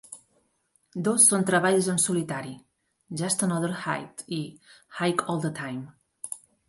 Dos són treballs en solitari: "Just Another High" i "High All The Time".